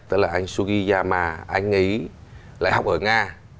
tức là anh sugiyama anh ấy lại học ở nga